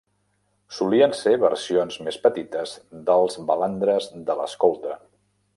Solien ser versions més petites dels balandres de l"escolta.